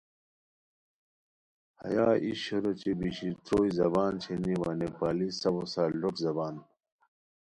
ہیا ای شور اوچے بیشیر تروئے زبان شینی وا نیپالی سفو سار لوٹ زبان